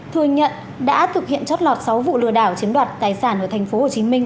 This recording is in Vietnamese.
thừa nhận đã thực hiện chót lọt sáu vụ lừa đảo chiếm đoạt tài sản của thành phố hồ chí minh